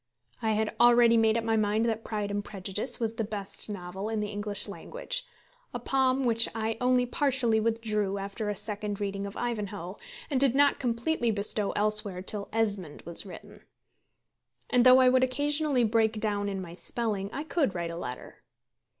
I had already made up my mind that Pride and Prejudice was the best novel in the English language, a palm which I only partially withdrew after a second reading of Ivanhoe, and did not completely bestow elsewhere till Esmond was written. And though I would occasionally break down in my spelling, I could write a letter.